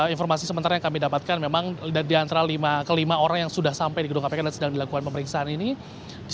informasi sementara yang kami dapatkan memang di antara kelima orang yang sudah sampai di gedung kpk dan sedang dilakukan pemeriksaan ini